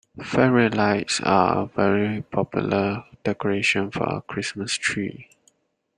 Fairy lights are a very popular decoration for a Christmas tree